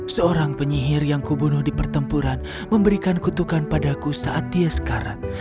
seorang penyihir yang kubunuh di pertempuran memberikan kutukan padaku saat dia sekarat